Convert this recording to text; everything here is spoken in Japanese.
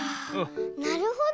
なるほど。